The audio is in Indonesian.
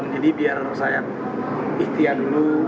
jadi biar saya ikhtiar dulu